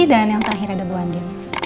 dan yang terakhir ada bu andi